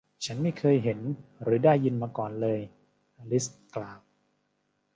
ฉันไม่เคยเห็น หรือได้ยินมาก่อนเลย อลิซกล่าว